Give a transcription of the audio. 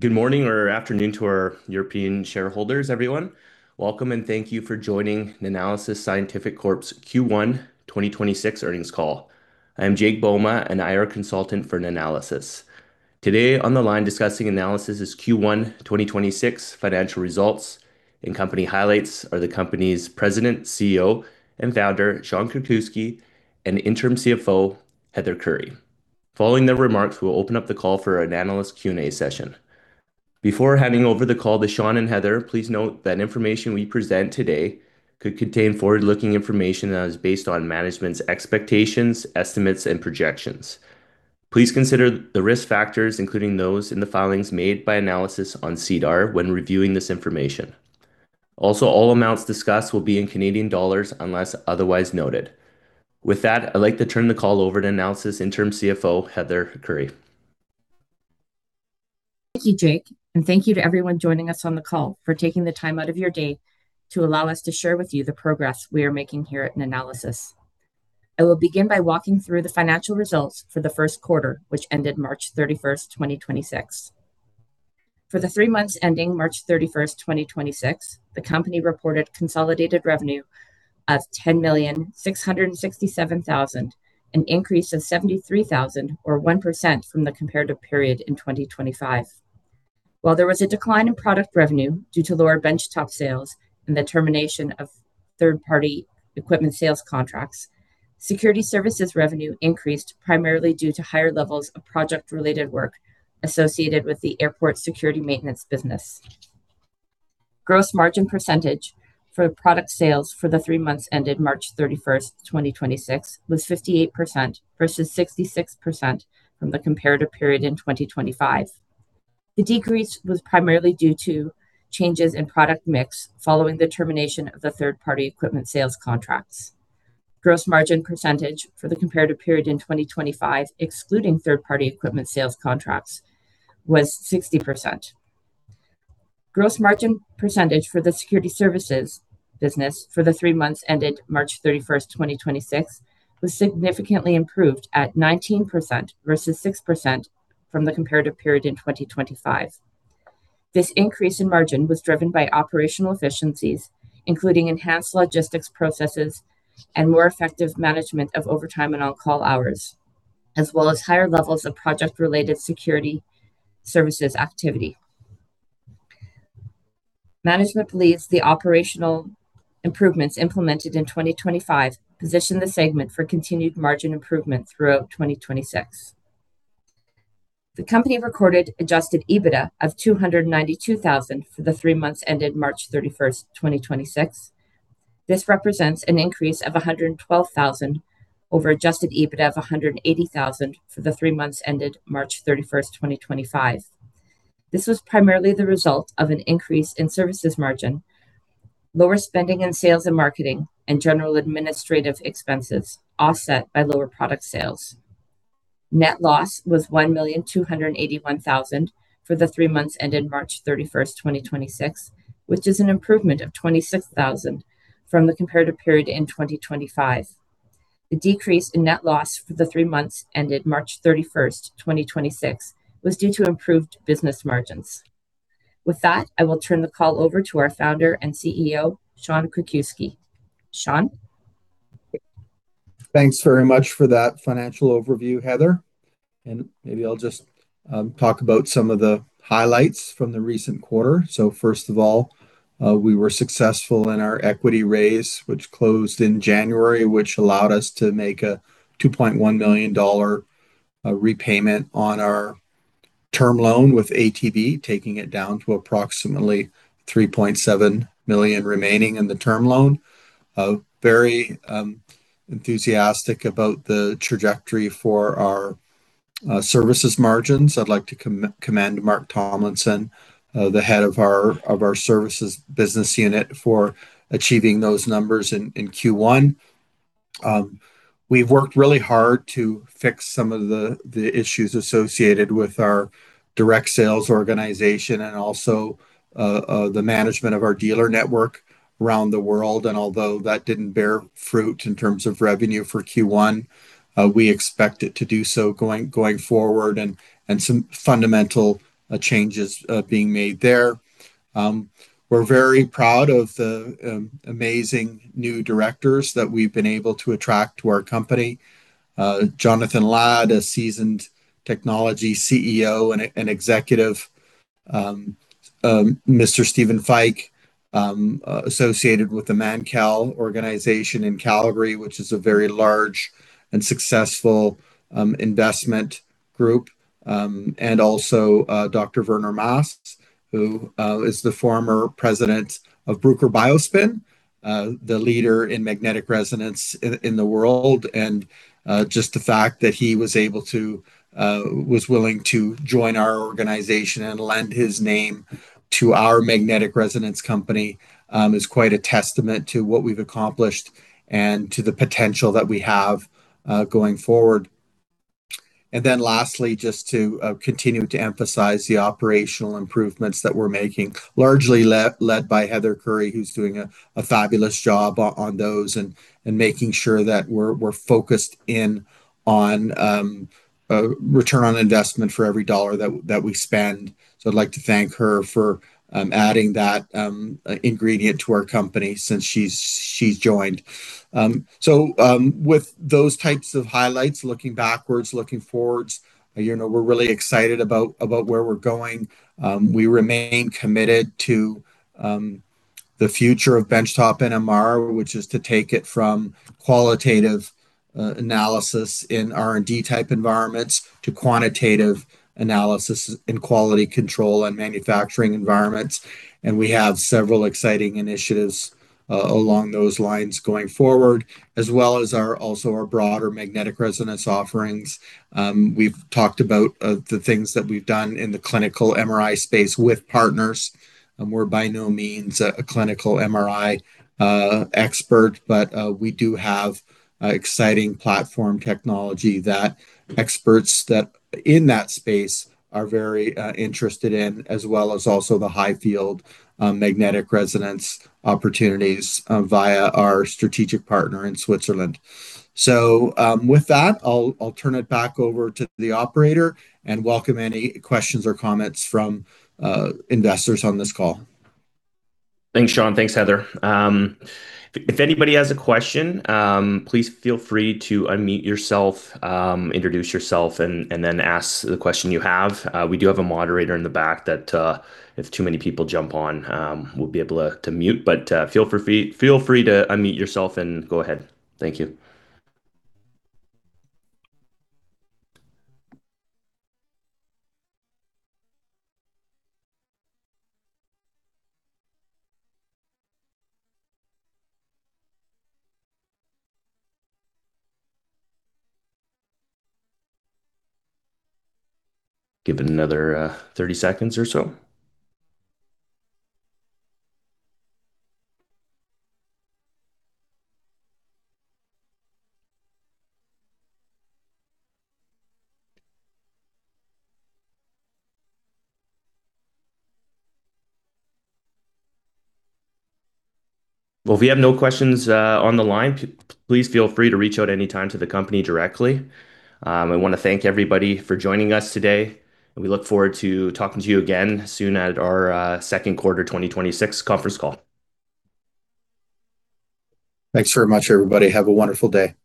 Good morning or afternoon to our European shareholders, everyone. Welcome and thank you for joining Nanalysis Scientific Corp.'s Q1 2026 earnings call. I'm Jake Bouma, an IR consultant for Nanalysis. Today on the line discussing Nanalysis' Q1 2026 financial results and company highlights are the company's president, CEO, and founder, Sean Krakiwsky, and interim CFO, Heather Kury. Following their remarks, we'll open up the call for an analyst Q&A session. Before handing over the call to Sean and Heather, please note that information we present today could contain forward-looking information that is based on management's expectations, estimates, and projections. Please consider the risk factors, including those in the filings made by Nanalysis on SEDAR when reviewing this information. Also, all amounts discussed will be in Canadian dollars unless otherwise noted. With that, I'd like to turn the call over to Nanalysis interim CFO, Heather Kury. Thank you, Jake, and thank you to everyone joining us on the call for taking the time out of your day to allow us to share with you the progress we are making here at Nanalysis. I will begin by walking through the financial results for the first quarter, which ended March 31st, 2026. For the three months ending March 31st, 2026, the company reported consolidated revenue of 10,667,000, an increase of 73,000 or 1% from the comparative period in 2025. While there was a decline in product revenue due to lower benchtop sales and the termination of third-party equipment sales contracts, security services revenue increased primarily due to higher levels of project-related work associated with the airport security maintenance business. Gross margin percentage for product sales for the three months ended March 31st, 2026 was 58% versus 66% from the comparative period in 2025. The decrease was primarily due to changes in product mix following the termination of the third-party equipment sales contracts. Gross margin percentage for the comparative period in 2025, excluding third-party equipment sales contracts, was 60%. Gross margin percentage for the security services business for the three months ended March 31st, 2026 was significantly improved at 19% versus 6% from the comparative period in 2025. This increase in margin was driven by operational efficiencies, including enhanced logistics processes and more effective management of overtime and on-call hours, as well as higher levels of project-related security services activity. Management believes the operational improvements implemented in 2025 position the segment for continued margin improvement throughout 2026. The company recorded Adjusted EBITDA of 292,000 for the three months ended March 31st, 2026. This represents an increase of 112,000 over Adjusted EBITDA of 180,000 for the three months ended March 31st, 2025. This was primarily the result of an increase in services margin, lower spending in sales and marketing, and general administrative expenses, offset by lower product sales. Net loss was 1,281,000 for the three months ended March 31st, 2026, which is an improvement of 26,000 from the comparative period in 2025. The decrease in net loss for the three months ended March 31st, 2026 was due to improved business margins. With that, I will turn the call over to our Founder and CEO, Sean Krakiwsky. Sean? Thanks very much for that financial overview, Heather Kury. Maybe I'll just talk about some of the highlights from the recent quarter. First of all, we were successful in our equity raise, which closed in January, which allowed us to make a 2.1 million dollar repayment on our term loan with ATB, taking it down to approximately 3.7 million remaining in the term loan. Very enthusiastic about the trajectory for our services margins. I'd like to commend Marc Tomlinson, the head of our services business unit, for achieving those numbers in Q1. We've worked really hard to fix some of the issues associated with our direct sales organization and also the management of our dealer network around the world. Although that didn't bear fruit in terms of revenue for Q1, we expect it to do so going forward and some fundamental changes being made there. We're very proud of the amazing new directors that we've been able to attract to our company. Jonathan Ladd, a seasoned technology CEO and executive. Mr. Stephen Fyke, associated with the Mancal organization in Calgary, which is a very large and successful investment group. Also Dr. Werner Maas, who is the former president of Bruker BioSpin, the leader in magnetic resonance in the world. Just the fact that he was willing to join our organization and lend his name to our magnetic resonance company is quite a testament to what we've accomplished and to the potential that we have going forward. Lastly, just to continue to emphasize the operational improvements that we're making, largely led by Heather Kury, who's doing a fabulous job on those and making sure that we're focused in on. A return on investment for every dollar that we spend. I'd like to thank Heather Kury for adding that ingredient to our company since she's joined. With those types of highlights, looking backwards, looking forwards, we're really excited about where we're going. We remain committed to the future of benchtop NMR, which is to take it from qualitative analysis in R&D type environments to quantitative analysis in quality control and manufacturing environments, and we have several exciting initiatives along those lines going forward, as well as also our broader magnetic resonance offerings. We've talked about the things that we've done in the clinical MRI space with partners, and we're by no means a clinical MRI expert, but we do have exciting platform technology that experts that in that space are very interested in, as well as also the high field magnetic resonance opportunities via our strategic partner in Switzerland. With that, I'll turn it back over to the operator and welcome any questions or comments from investors on this call. Thanks, Sean. Thanks, Heather. If anybody has a question, please feel free to unmute yourself, introduce yourself, and then ask the question you have. We do have a moderator in the back that if too many people jump on, we'll be able to mute. Feel free to unmute yourself and go ahead. Thank you. Give it another 30 seconds or so. Well, if we have no questions on the line, please feel free to reach out anytime to the company directly. I want to thank everybody for joining us today, and we look forward to talking to you again soon at our second quarter 2026 conference call. Thanks very much, everybody. Have a wonderful day.